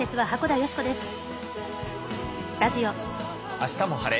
「あしたも晴れ！